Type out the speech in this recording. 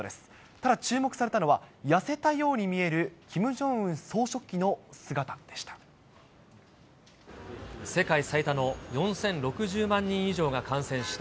ただ注目されたのは、痩せたように見えるキム・ジョンウン総書記の姿でした。